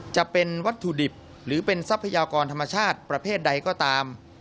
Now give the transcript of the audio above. จะเป็นวัตถุดิบหรือเป็นทรัพยากรธรรมชาติประเภทใดก็ตาม